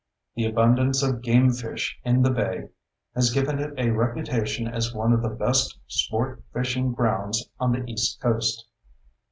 The abundance of game fish in the bay has given it a reputation as one of the best sport fishing grounds on the east coast.